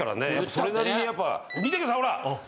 それなりにやっぱ見てくださいほら！